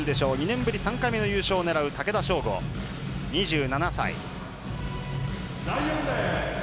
２年ぶり３回目の優勝を狙う竹田渉瑚、２７歳。